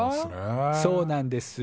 そうなんです。